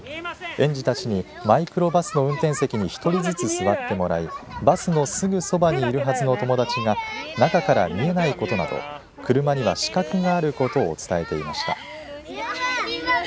園児たちにマイクロバスの運転席に１人ずつ座ってもらいバスのすぐそばにいるはずの友達が中から見えないことなど車には死角があることを伝えていました。